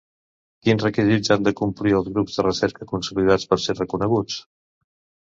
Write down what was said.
Quins requisits han de complir els grups de recerca consolidats per ser reconeguts?